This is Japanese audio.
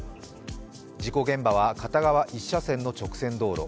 事故現場は片側１車線の直線道路。